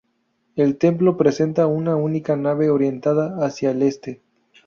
El templo presenta una única nave orientada hacia el este.